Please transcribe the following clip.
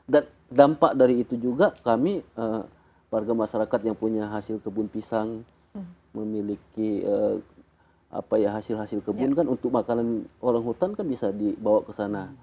dan dampak dari itu juga kami warga masyarakat yang punya hasil kebun pisang memiliki hasil hasil kebun kan untuk makanan orang hutan kan bisa dibawa ke sana